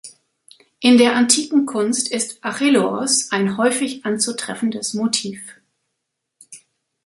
In der antiken Kunst ist Acheloos ein häufig anzutreffendes Motiv.